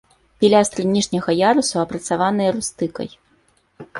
Пілястры ніжняга ярусу апрацаваныя рустыкай.